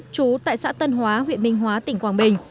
trú tại xã tân hóa huyện minh hóa tỉnh quảng bình